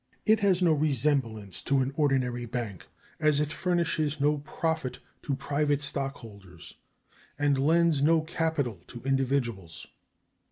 It has no resemblance to an ordinary bank, as it furnishes no profits to private stockholders and lends no capital to individuals.